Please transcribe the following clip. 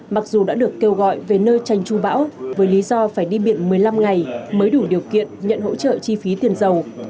mặc dù đã được kêu gọi về nơi tranh tru bão với lý do phải đi biện một mươi năm ngày mới đủ điều kiện nhận hỗ trợ chi phí tiền dầu